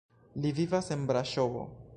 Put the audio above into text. Li vivas en Braŝovo.